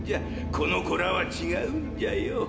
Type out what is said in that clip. この子らは違うんじゃよ。